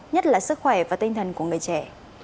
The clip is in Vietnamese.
nhất là sức khỏe và tinh thần của người trẻ